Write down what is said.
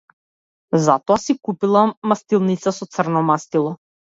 Затоа си купила мастилница со црно мастило.